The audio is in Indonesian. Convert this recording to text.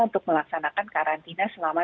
untuk melaksanakan karantina selama